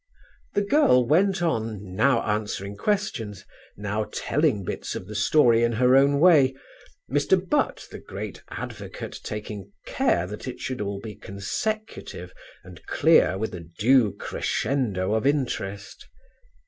The girl went on, now answering questions, now telling bits of the story in her own way, Mr. Butt, the great advocate, taking care that it should all be consecutive and clear with a due crescendo of interest.